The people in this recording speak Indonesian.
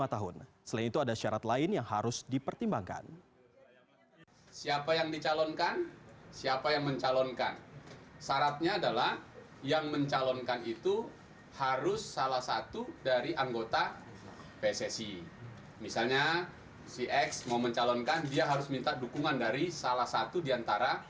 lima tahun selain itu ada syarat lain yang harus dipertimbangkan